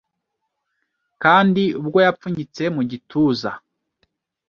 Kandi ubwo yapfunyitse mu gituza